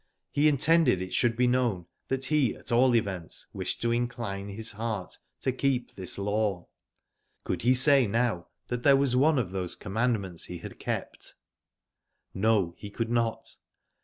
He intended it should be known that he at all events wished to incline his heart to keep this law. Could he say now there was one of those com mandents he had kept? No, he could not.